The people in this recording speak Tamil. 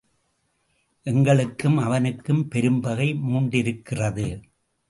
எங்களுக்கும் அவனுக்கும் பெரும்பகை மூண்டிருக்கிறது.